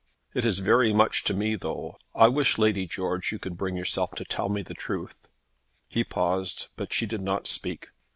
"It is very much to me, though. I wish, Lady George, you could bring yourself to tell me the truth." He paused, but she did not speak.